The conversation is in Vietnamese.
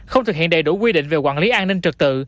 không thực hiện đầy đủ quy định về quản lý an ninh trực tự